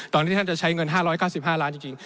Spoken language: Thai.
ตอนนี้ท่านจะใช้เงิน๕๙๕ล้านจริง